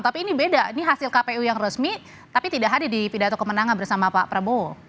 tapi ini beda ini hasil kpu yang resmi tapi tidak hadir di pidato kemenangan bersama pak prabowo